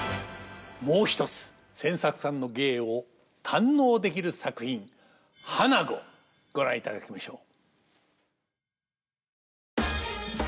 もう一つ千作さんの芸を堪能できる作品「花子」ご覧いただきましょう。